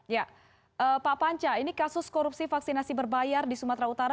ya pak panca ini kasus korupsi vaksinasi berbayar di sumatera utara